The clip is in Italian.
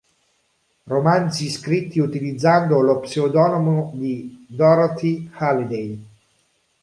Romanzi scritti utilizzando lo pseudonimo di Dorothy Halliday